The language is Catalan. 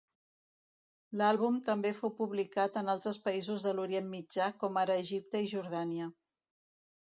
L'àlbum també fou publicat en altres països de l'Orient Mitjà com ara Egipte i Jordània.